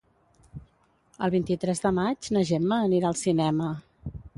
El vint-i-tres de maig na Gemma anirà al cinema.